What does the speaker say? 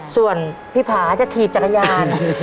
ส่วนพี่ผาจะถีบจักรยาน